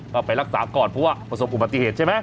ก็ไปรักษาก่อนเพราะว่าประสบอุบัติเหตุใช่ไหม